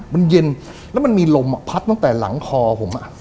มันเย็นแล้วมันมีลมพัดตั้งแต่หลังคอผม